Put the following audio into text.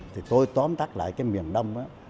thì tôi tóm tắt lại cái miền đông á